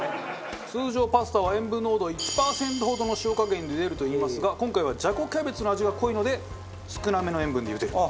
通常パスタは塩分濃度１パーセントほどの塩加減でゆでるといいますが今回はじゃこキャベツの味が濃いので少なめの塩分でゆでると。